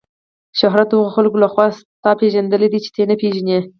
شهرت د هغو خلکو له خوا ستا پیژندل دي چې ته یې نه پیژنې.